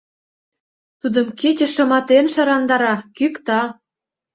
Тудым кече шыматен шырандара, кӱкта.